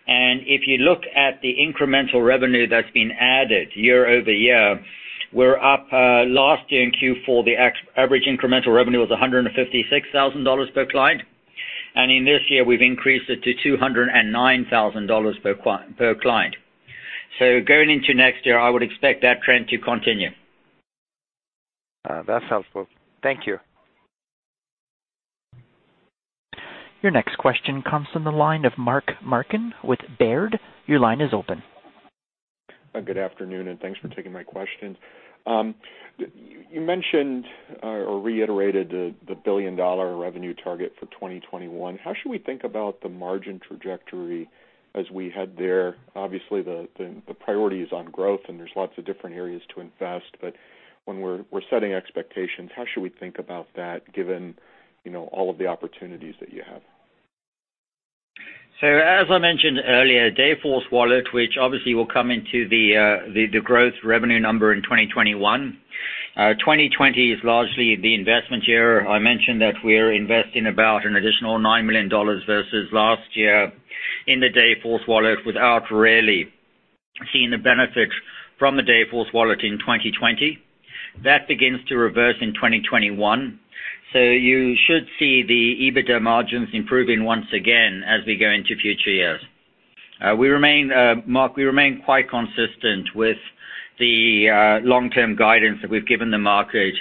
If you look at the incremental revenue that's been added year-over-year, we're up last year in Q4, the average incremental revenue was $156,000 per client. In this year, we've increased it to $209,000 per client. Going into next year, I would expect that trend to continue. That's helpful. Thank you. Your next question comes from the line of Mark Marcon with Baird. Your line is open. Good afternoon. Thanks for taking my question. You mentioned or reiterated the billion-dollar revenue target for 2021. How should we think about the margin trajectory as we head there? Obviously, the priority is on growth and there's lots of different areas to invest, but when we're setting expectations, how should we think about that given all of the opportunities that you have? As I mentioned earlier, Dayforce Wallet, which obviously will come into the growth revenue number in 2021. 2020 is largely the investment year. I mentioned that we're investing about an additional $9 million versus last year in the Dayforce Wallet without really seeing the benefit from the Dayforce Wallet in 2020. That begins to reverse in 2021. You should see the EBITDA margins improving once again as we go into future years. Mark, we remain quite consistent with the long-term guidance that we've given the market.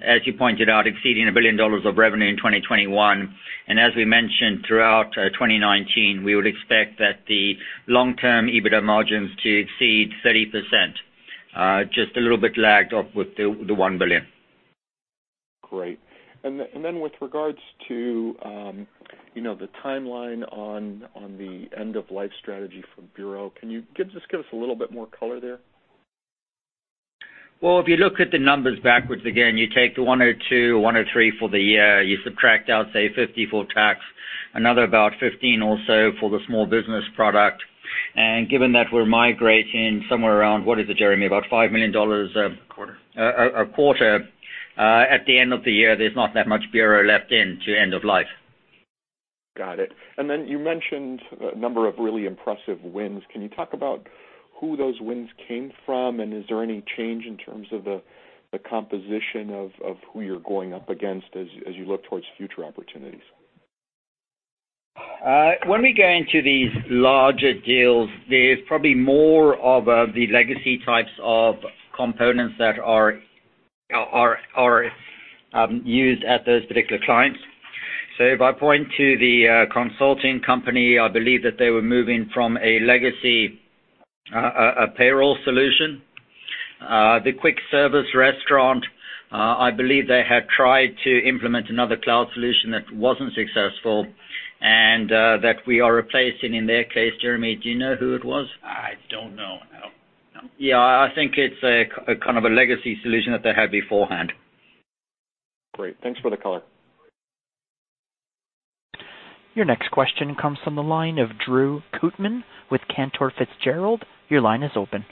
As you pointed out, exceeding $1 billion of revenue in 2021. As we mentioned throughout 2019, we would expect that the long-term EBITDA margins to exceed 30%, just a little bit lagged off with the $1 billion. Great. Then with regards to the timeline on the end-of-life strategy for Bureau, can you just give us a little bit more color there? Well, if you look at the numbers backwards again, you take the $102, $103 for the year, you subtract out, say, $50 for tax, another about $15 or so for the small business product. Given that we're migrating somewhere around, what is it, Jeremy? About $5 million. A quarter. a quarter, at the end of the year, there's not that much bureau left in to end of life. Got it. Then you mentioned a number of really impressive wins. Can you talk about who those wins came from? Is there any change in terms of the composition of who you're going up against as you look towards future opportunities? When we go into these larger deals, there's probably more of the legacy types of components that are used at those particular clients. If I point to the consulting company, I believe that they were moving from a legacy payroll solution. The quick service restaurant, I believe they had tried to implement another cloud solution that wasn't successful, and that we are replacing in their case. Jeremy, do you know who it was? I don't know, no. Yeah, I think it's a kind of a legacy solution that they had beforehand. Great. Thanks for the color. Your next question comes from the line of Drew Kootman with Cantor Fitzgerald. Your line is open.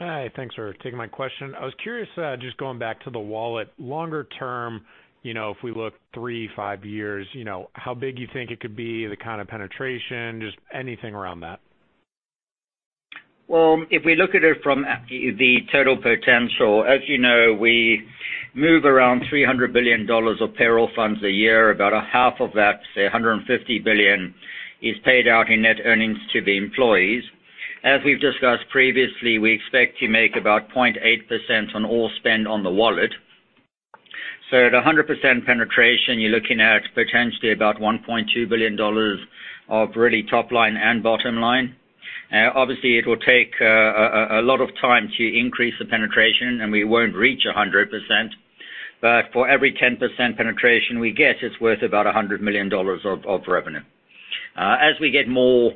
Hi, thanks for taking my question. I was curious, just going back to the Dayforce Wallet, longer term, if we look three, five years, how big you think it could be, the kind of penetration, just anything around that? Well, if we look at it from the total potential, as you know, we move around $300 billion of payroll funds a year. About a half of that, say, $150 billion, is paid out in net earnings to the employees. As we've discussed previously, we expect to make about 0.8% on all spend on the wallet. At 100% penetration, you're looking at potentially about $1.2 billion of really top line and bottom line. Obviously, it will take a lot of time to increase the penetration, and we won't reach 100%, but for every 10% penetration we get, it's worth about $100 million of revenue. As we get more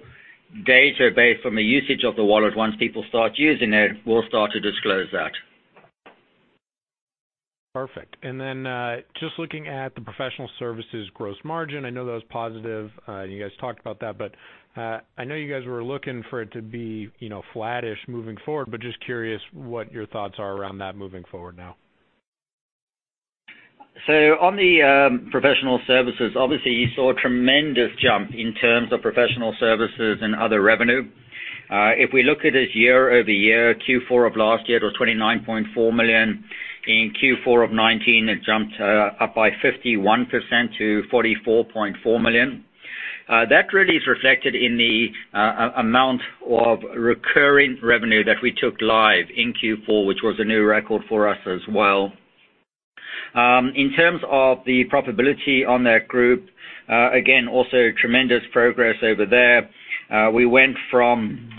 data back from the usage of the wallet, once people start using it, we'll start to disclose that. Perfect. Then just looking at the professional services gross margin, I know that was positive, you guys talked about that, but I know you guys were looking for it to be flattish moving forward, but just curious what your thoughts are around that moving forward now? On the professional services, obviously you saw a tremendous jump in terms of professional services and other revenue. If we look at it year-over-year, Q4 of last year it was $29.4 million. In Q4 of 2019, it jumped up by 51% to $44.4 million. That really is reflected in the amount of recurring revenue that we took live in Q4, which was a new record for us as well. In terms of the profitability on that group, again, also tremendous progress over there. We went from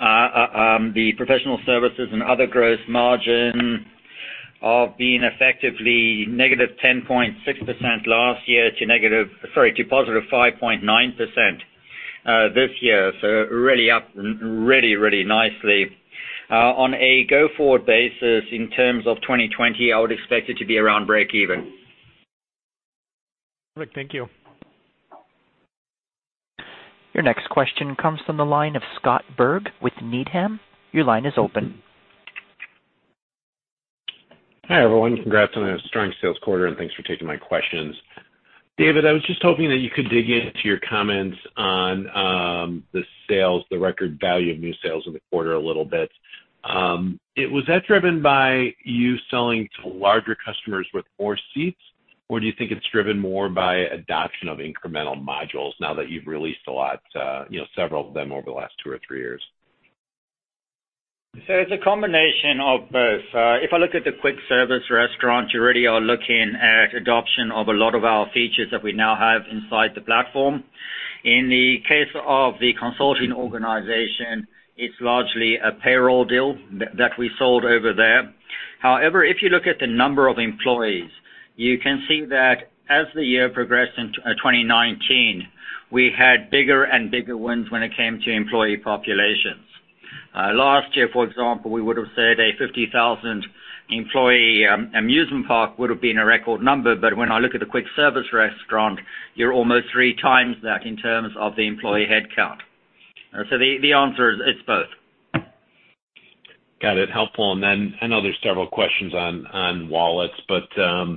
the professional services and other gross margin of being effectively negative 10.6% last year to negative Sorry, to positive 5.9% this year. Really up really nicely. On a go-forward basis in terms of 2020, I would expect it to be around breakeven. Perfect. Thank you. Your next question comes from the line of Scott Berg with Needham. Your line is open. Hi, everyone. Congrats on a strong sales quarter, thanks for taking my questions. David, I was just hoping that you could dig into your comments on the sales, the record value of new sales in the quarter a little bit. Was that driven by you selling to larger customers with more seats, or do you think it's driven more by adoption of incremental modules now that you've released a lot, several of them over the last two or three years? It's a combination of both. If I look at the quick service restaurant, you really are looking at adoption of a lot of our features that we now have inside the platform. In the case of the consulting organization, it's largely a payroll deal that we sold over there. If you look at the number of employees, you can see that as the year progressed in 2019, we had bigger and bigger wins when it came to employee populations. Last year, for example, we would've said a 50,000-employee amusement park would've been a record number, but when I look at the quick service restaurant, you're almost three times that in terms of the employee headcount. The answer is, it's both. Got it. Helpful. I know there's several questions on Dayforce Wallet, but I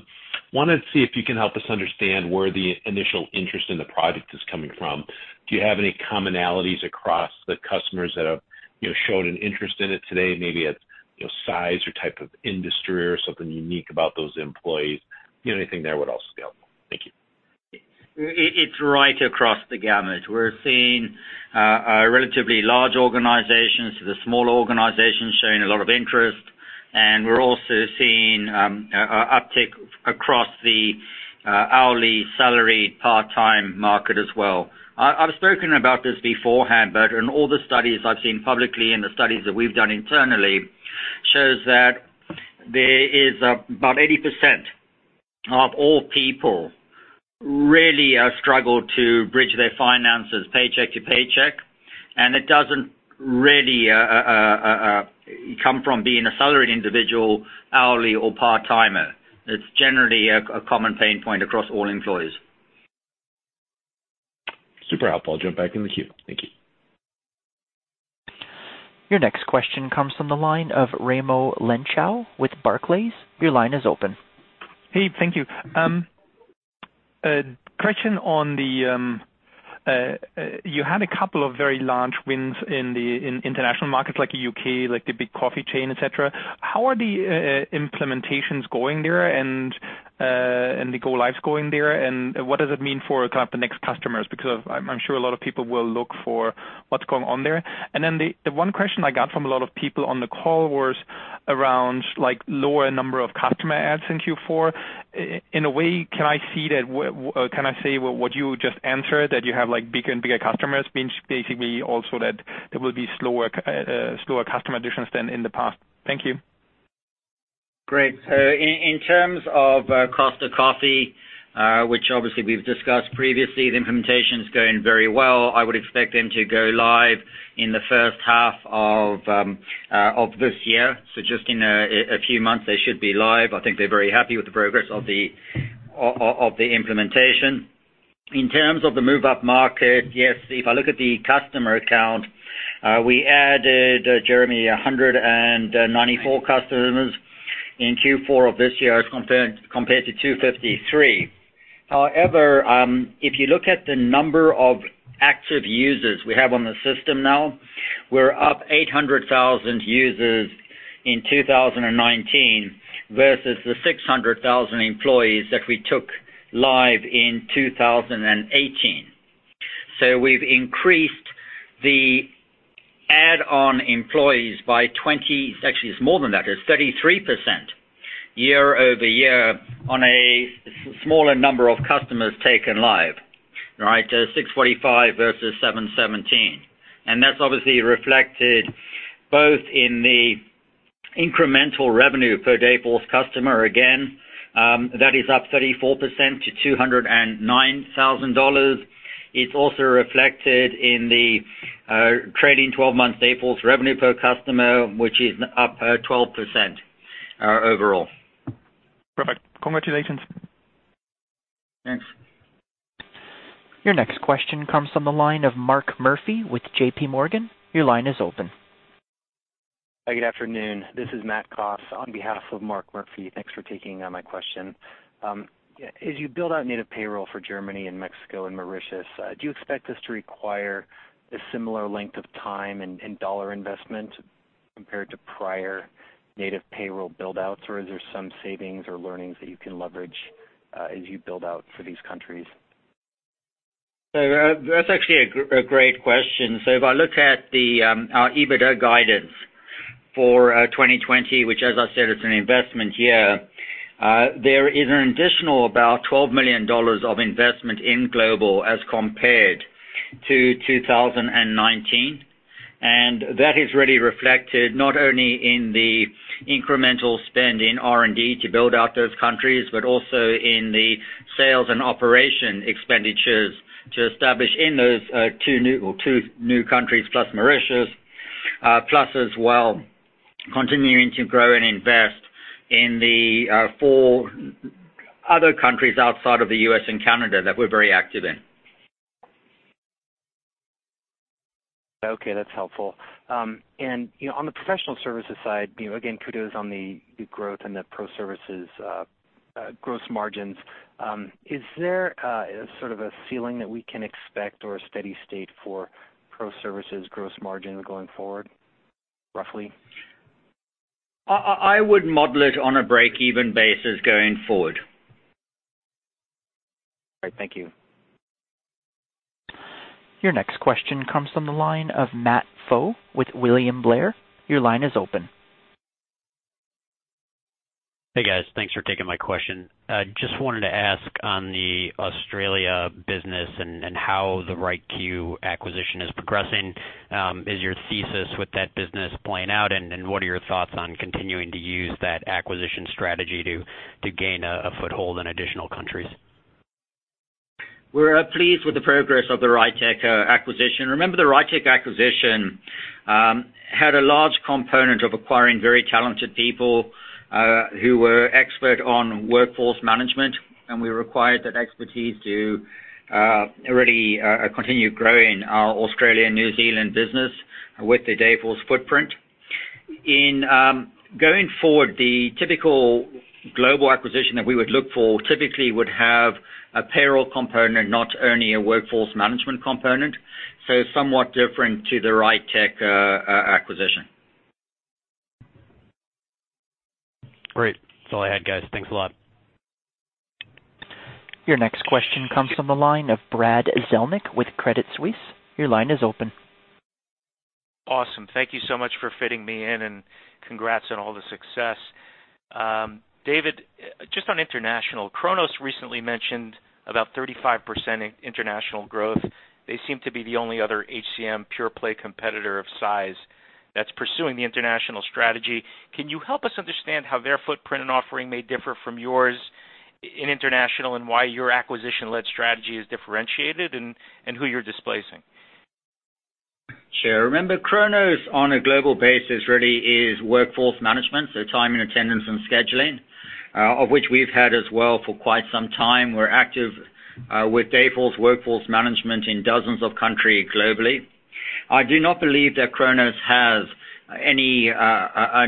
wanted to see if you can help us understand where the initial interest in the product is coming from. Do you have any commonalities across the customers that have shown an interest in it today? Maybe it's size or type of industry or something unique about those employees. Anything there would also be helpful. Thank you. It's right across the gamut. We're seeing relatively large organizations to the smaller organizations showing a lot of interest, and we're also seeing uptick across the hourly, salaried, part-time market as well. I've spoken about this beforehand, but in all the studies I've seen publicly and the studies that we've done internally shows that there is about 80% of all people really struggle to bridge their finances paycheck to paycheck. You come from being a salaried individual, hourly or part-timer. It's generally a common pain point across all employees. Super helpful. I'll jump back in the queue. Thank you. Your next question comes from the line of Raimo Lenschow with Barclays. Your line is open. Hey, thank you. A question on, you had a couple of very large wins in international markets like U.K., like Costa Coffee, et cetera. How are the implementations going there, and the go lives going there, and what does it mean for the next customers? I'm sure a lot of people will look for what's going on there. The one question I got from a lot of people on the call was around lower number of customer adds in Q4. In a way, can I say what you just answered, that you have bigger and bigger customers means basically also that there will be slower customer additions than in the past? Thank you. Great. In terms of Costa Coffee, which obviously we've discussed previously, the implementation's going very well. I would expect them to go live in the first half of this year. Just in a few months, they should be live. I think they're very happy with the progress of the implementation. In terms of the move-up market, yes, if I look at the customer count, we added, Jeremy, 194 customers in Q4 of this year compared to 253. However, if you look at the number of active users we have on the system now, we're up 800,000 users in 2019 versus the 600,000 employees that we took live in 2018. We've increased the add-on employees by 33% year-over-year on a smaller number of customers taken live, 645 versus 717. That's obviously reflected both in the incremental revenue per Dayforce customer. Again, that is up 34% to $209,000. It's also reflected in the trailing 12 months Dayforce revenue per customer, which is up 12% overall. Perfect. Congratulations. Thanks. Your next question comes from the line of Mark Murphy with JPMorgan. Your line is open. Good afternoon. This is Matt Coss on behalf of Mark Murphy. Thanks for taking my question. As you build out native payroll for Germany and Mexico and Mauritius, do you expect this to require a similar length of time and dollar investment compared to prior native payroll build-outs? Is there some savings or learnings that you can leverage as you build out for these countries? That's actually a great question. If I look at our EBITDA guidance for 2020, which, as I said, it's an investment year, there is an additional about $12 million of investment in global as compared to 2019. That is really reflected not only in the incremental spend in R&D to build out those countries, but also in the sales and operation expenditures to establish in those two new countries, plus Mauritius. Plus as well, continuing to grow and invest in the four other countries outside of the U.S. and Canada that we're very active in. Okay, that's helpful. On the professional services side, again, kudos on the growth and the pro services gross margins. Is there a ceiling that we can expect or a steady state for pro services gross margin going forward, roughly? I would model it on a break-even basis going forward. All right, thank you. Your next question comes from the line of Matthew Pfau with William Blair. Your line is open. Hey, guys. Thanks for taking my question. Just wanted to ask on the Australia business and how the RITEQ acquisition is progressing. Is your thesis with that business playing out, and what are your thoughts on continuing to use that acquisition strategy to gain a foothold in additional countries? We're pleased with the progress of the RITEQ acquisition. Remember, the RITEQ acquisition had a large component of acquiring very talented people who were expert on workforce management, we required that expertise to really continue growing our Australia and New Zealand business with the Dayforce footprint. In going forward, the typical global acquisition that we would look for typically would have a payroll component, not only a workforce management component. Somewhat different to the RITEQ acquisition. Great. That's all I had, guys. Thanks a lot. Your next question comes from the line of Brad Zelnick with Credit Suisse. Your line is open. Awesome. Thank you so much for fitting me in. Congrats on all the success. David, just on international, Kronos recently mentioned about 35% international growth. They seem to be the only other HCM pure play competitor of size that's pursuing the international strategy. Can you help us understand how their footprint and offering may differ from yours in international, and why your acquisition-led strategy is differentiated and who you're displacing? Sure. Remember, Kronos on a global basis really is workforce management, so time and attendance and scheduling, of which we've had as well for quite some time. We're active with Dayforce workforce management in dozens of country globally. I do not believe that Kronos has any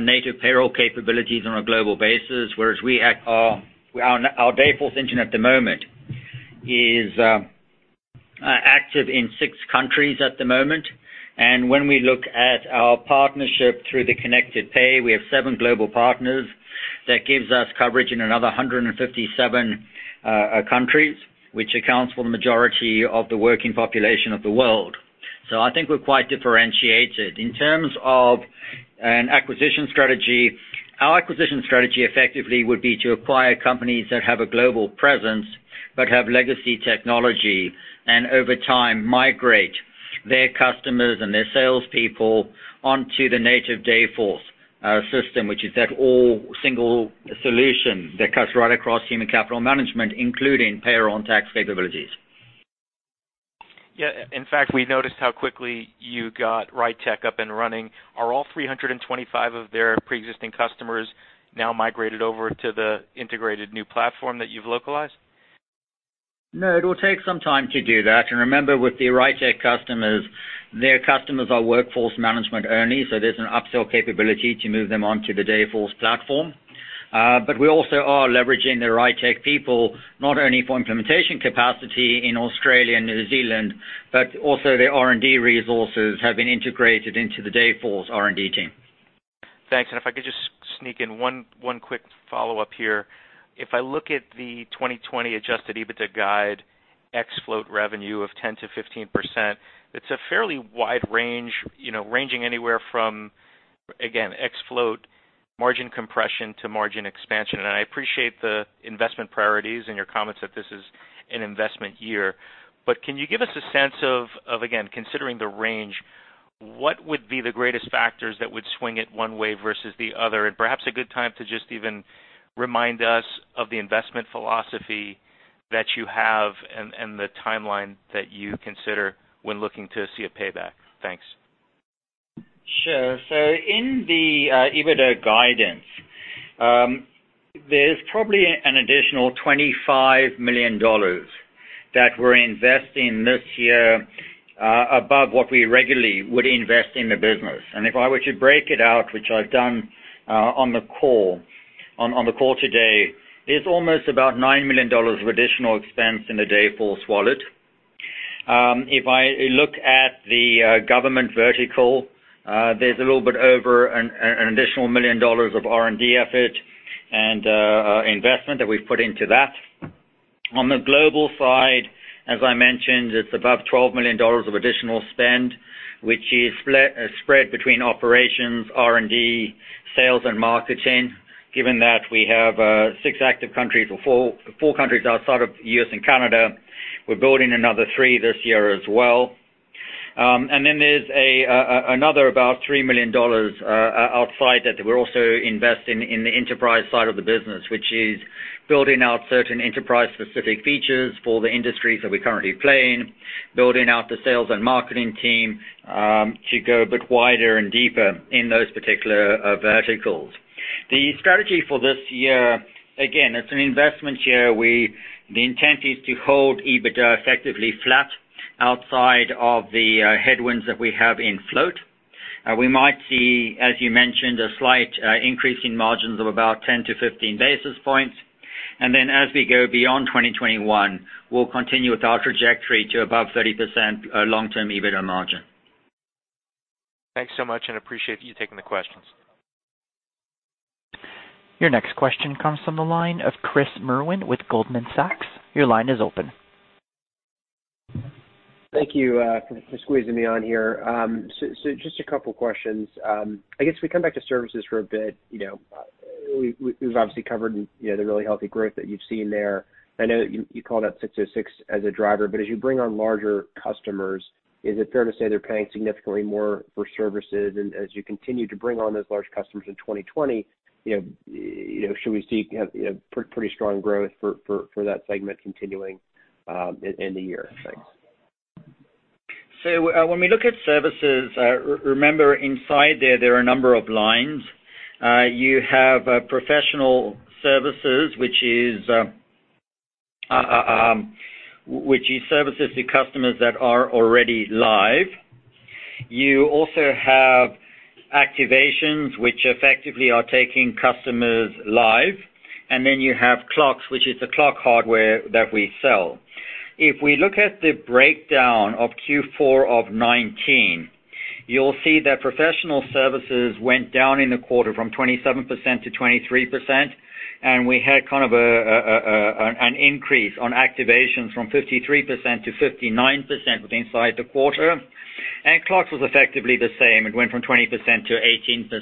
native payroll capabilities on a global basis, whereas our Dayforce engine at the moment is active in six countries at the moment. When we look at our partnership through the Connected Pay, we have seven global partners. That gives us coverage in another 157 countries, which accounts for the majority of the working population of the world. I think we're quite differentiated. In terms of an acquisition strategy, our acquisition strategy effectively would be to acquire companies that have a global presence but have legacy technology, and over time migrate their customers and their salespeople onto the native Dayforce system, which is that all single solution that cuts right across human capital management, including payroll and tax capabilities. Yeah. In fact, we noticed how quickly you got RITEQ up and running. Are all 325 of their preexisting customers now migrated over to the integrated new platform that you've localized? No, it will take some time to do that. Remember, with the RITEQ customers, their customers are workforce management only, so there's an upsell capability to move them onto the Dayforce platform. We also are leveraging the RITEQ people, not only for implementation capacity in Australia and New Zealand, but also their R&D resources have been integrated into the Dayforce R&D team. Thanks. If I could just sneak in one quick follow-up here. If I look at the 2020 adjusted EBITDA guide ex float revenue of 10%-15%, it's a fairly wide range, ranging anywhere from, again, ex float margin compression to margin expansion. I appreciate the investment priorities and your comments that this is an investment year. Can you give us a sense of, again, considering the range, what would be the greatest factors that would swing it one way versus the other? Perhaps a good time to just even remind us of the investment philosophy that you have and the timeline that you consider when looking to see a payback. Thanks. Sure. In the EBITDA guidance, there's probably an additional $25 million that we're investing this year above what we regularly would invest in the business. If I were to break it out, which I've done on the call today, there's almost about $9 million of additional expense in the Dayforce Wallet. If I look at the government vertical, there's a little bit over an additional $1 million of R&D effort and investment that we've put into that. On the global side, as I mentioned, it's above $12 million of additional spend, which is spread between operations, R&D, sales, and marketing. Given that we have six active countries, or four countries outside of U.S. and Canada, we're building another three this year as well. There's another about $3 million outside that we're also investing in the enterprise side of the business, which is building out certain enterprise-specific features for the industries that we currently play in, building out the sales and marketing team to go a bit wider and deeper in those particular verticals. The strategy for this year, again, it's an investment year. The intent is to hold EBITDA effectively flat outside of the headwinds that we have in float. We might see, as you mentioned, a slight increase in margins of about 10 basis points-15 basis points. As we go beyond 2021, we'll continue with our trajectory to above 30% long-term EBITDA margin. Thanks so much, and appreciate you taking the questions. Your next question comes from the line of Chris Merwin with Goldman Sachs. Your line is open. Thank you for squeezing me on here. Just a couple questions. I guess we come back to services for a bit. We've obviously covered the really healthy growth that you've seen there. I know that you called out 606 as a driver, but as you bring on larger customers, is it fair to say they're paying significantly more for services? As you continue to bring on those large customers in 2020, should we see pretty strong growth for that segment continuing in the year? Thanks. When we look at services, remember inside there are a number of lines. You have professional services, which is services to customers that are already live. You also have activations, which effectively are taking customers live. You have clocks, which is the clock hardware that we sell. If we look at the breakdown of Q4 2019, you'll see that professional services went down in the quarter from 27% to 23%, we had kind of an increase on activations from 53% to 59% inside the quarter. Clocks was effectively the same. It went from 20% to 18%.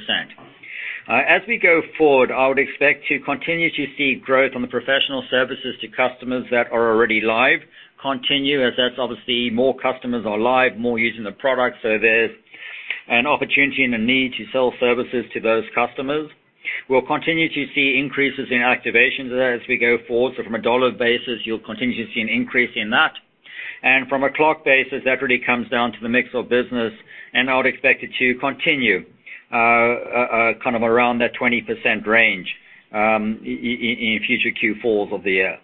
As we go forward, I would expect to continue to see growth on the professional services to customers that are already live continue, as that's obviously more customers are live, more using the product. There's an opportunity and a need to sell services to those customers. We'll continue to see increases in activations as we go forward. From a dollar basis, you'll continue to see an increase in that. From a clock basis, that really comes down to the mix of business, and I would expect it to continue kind of around that 20% range in future Q4s of the year.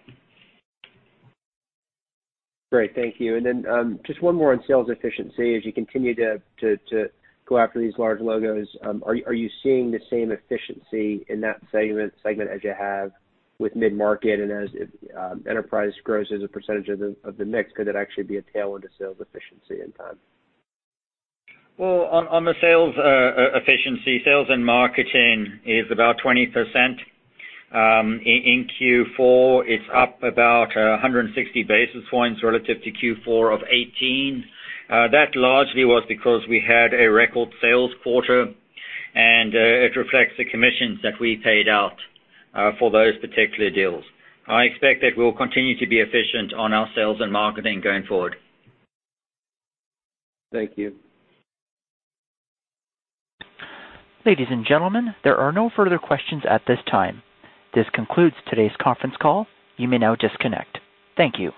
Great. Thank you. Just one more on sales efficiency. As you continue to go after these large logos, are you seeing the same efficiency in that segment as you have with mid-market? As enterprise grows as a percentage of the mix, could it actually be a tailwind to sales efficiency in time? Well, on the sales efficiency, sales and marketing is about 20%. In Q4, it's up about 160 basis points relative to Q4 of 2018. That largely was because we had a record sales quarter, and it reflects the commissions that we paid out for those particular deals. I expect that we'll continue to be efficient on our sales and marketing going forward. Thank you. Ladies and gentlemen, there are no further questions at this time. This concludes today's conference call. You may now disconnect. Thank you.